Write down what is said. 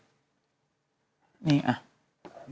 อืม